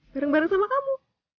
bareng bareng sama kamu